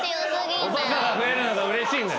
おバカが増えるのがうれしいんだ。